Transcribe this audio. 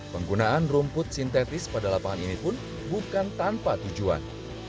penggunaan rumput sintetis pada lapangan ini pun bukan tanpa tujuan